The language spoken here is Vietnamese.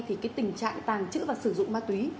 tình trạng tàng trữ và sử dụng ma túy